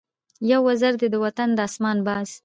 یو وزر دی د وطن د آسمان ، باز